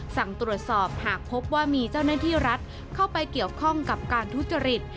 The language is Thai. สั่งตรวจสอบหากพบว่ามีเจ้าหน้าที่รัฐเข้าไปเกี่ยวข้องกับการทุจริต